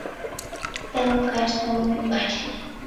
Телым кайышна лум ӱмбач